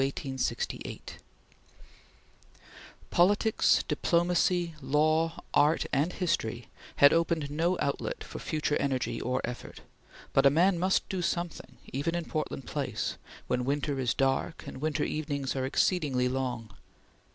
CHAPTER XV DARWINISM (1867 1868) POLITICS, diplomacy, law, art, and history had opened no outlet for future energy or effort, but a man must do something, even in Portland Place, when winter is dark and winter evenings are exceedingly long.